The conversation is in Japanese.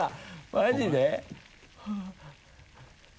マジで？